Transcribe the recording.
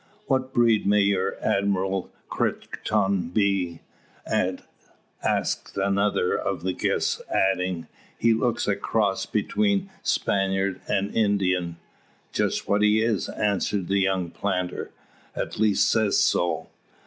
"What breed may your admirable Crichton be?" asks another of the guests, adding: "He looks a cross between Spaniard and Indian." "Just what he is," answers the young planter; "at least says so.